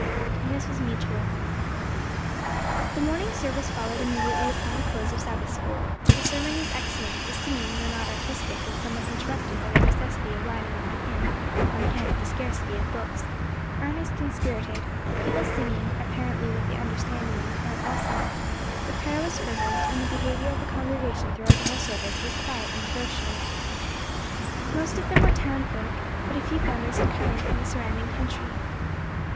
And this was mutual. The morning service followed immediately upon the close of Sabbath school. The sermon was excellent; the singing, though not artistic, and somewhat interrupted by the necessity of lining out the hymn, on account of the scarcity of books, earnest and spirited; the people singing, apparently with the understanding and the heart also; the prayer was fervent, and the behavior of the congregation throughout the whole service was quiet and devotional. Most of them were town folk, but a few families had come in from the surrounding country.